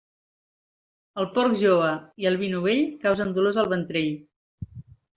El porc jove i el vi novell causen dolors al ventrell.